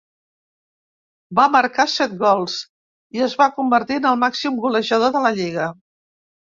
Va marcar set gols i es va convertir en el màxim golejador de la lliga.